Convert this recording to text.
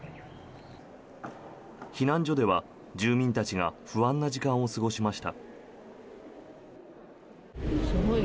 避難所では住民たちが不安な時間を過ごしました。